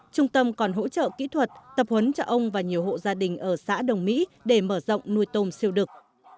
trung tâm còn hỗ trợ kỹ thuật tập huấn cho ông và nhiều hộ gia đình ở xã đồng mỹ để mở rộng nuôi tôm siêu đực